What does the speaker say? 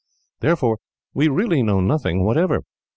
Therefore, we really know nothing whatever.